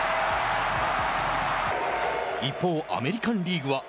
一方、アメリカンリーグは。